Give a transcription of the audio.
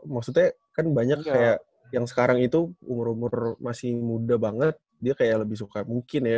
maksudnya kan banyak kayak yang sekarang itu umur umur masih muda banget dia kayak lebih suka mungkin ya